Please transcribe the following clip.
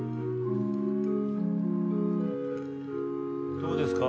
どうですか？